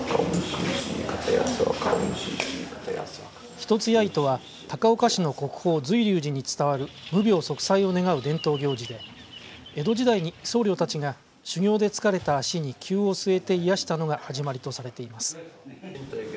一つやいとは高岡市の国宝、瑞龍寺に伝わる無病息災を願う伝統行事で江戸時代に僧侶たちが修行で疲れた足にきゅうを据えて癒やしたのが始まりとされています。